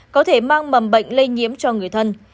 có thể mang mầm bệnh lây nhiễm cho người thân